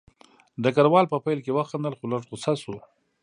ډګروال په پیل کې وخندل خو لږ غوسه شو